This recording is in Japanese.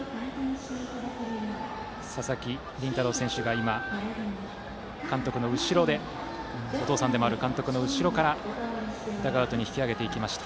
佐々木麟太郎選手がお父さんでもある監督の後ろからダグアウトに引き揚げていきました。